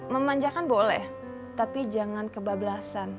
memanjakan boleh tapi jangan kebablasan